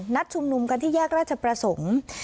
ชุมนุมกันที่แยกราชประสงค์